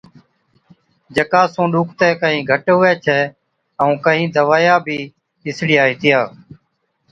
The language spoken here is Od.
جڪا سُون ڏُکتَي ڪهِين گھٽ هُوَي ڇَي، ائُون ڪهِين دَوائِيا بِي اِسڙِيا هِتِيا،